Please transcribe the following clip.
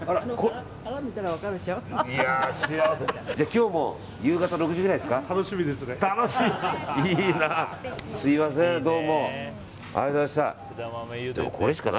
今日も夕方６時ぐらいですか？